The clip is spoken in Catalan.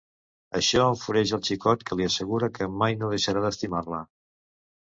Això enfureix el xicot, que li assegura que mai no deixarà d'estimar-la.